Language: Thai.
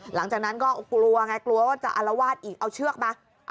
หลังจากนั้นก็กลัวไงกลัวว่าจะอารวาสอีกเอาเชือกมา